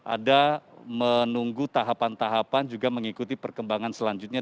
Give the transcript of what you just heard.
ada menunggu tahapan tahapan juga mengikuti perkembangan selanjutnya